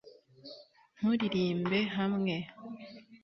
nturirimbe hamwe